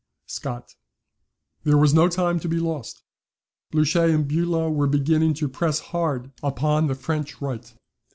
SCOTT.] There was no time to be lost Blucher and Bulow were beginning to press hard upon the French right.